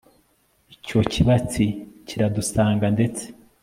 icyo kibatsi kiradusanga; ndetse